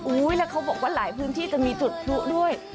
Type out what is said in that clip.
แล้วเขาบอกว่าหลายพื้นที่จะมีจุดพลุด้วย